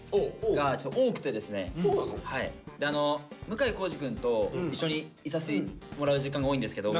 向井康二くんと一緒にいさせてもらう時間が多いんですけども。